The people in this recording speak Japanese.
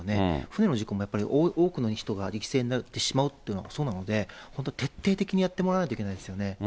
船の事故もやっぱり、多くの人が犠牲になってしまうというのはそうなので、本当徹底的にやってもらわないといけないですよね。